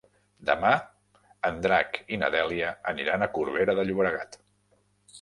Demà en Drac i na Dèlia aniran a Corbera de Llobregat.